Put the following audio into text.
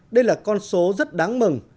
đây là con số rất đáng mừng